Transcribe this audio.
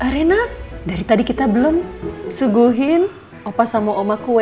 arena dari tadi kita belum suguhin apa sama oma kue